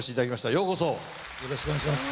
よろしくお願いします。